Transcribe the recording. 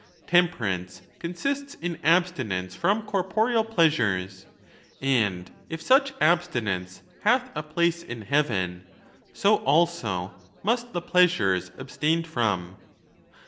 Tem perance consists in abstinence from corporeal pleasures, and if such abstinence hath a place in heaven, so also must the pleasures abstained from.